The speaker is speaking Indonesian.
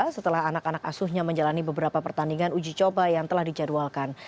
setelah anak anak asuhnya menjalani beberapa pertandingan uji coba yang telah dijadwalkan